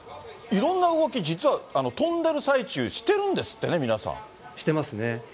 いろんな動き、実は、飛んでる最中、してるんですってね、皆してますね。